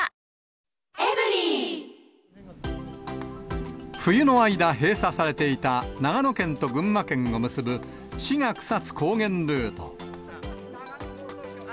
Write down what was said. トーンアップ出た冬の間、閉鎖されていた長野県と群馬県を結ぶ志賀草津高原ルート。